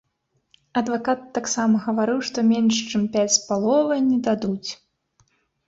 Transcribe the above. Адвакат таксама гаварыў, што менш чым пяць з паловай не дадуць.